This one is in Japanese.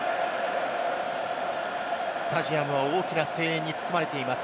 スタジアムは大きな声援に包まれています。